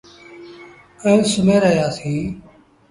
ائيٚݩ سُمهي رهيآ سيٚݩ۔